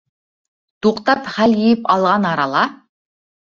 Туҡтап хәл йыйып алған арала: